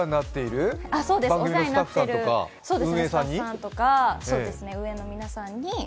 お世話になっている番組のスタッフさんとか運営さんに？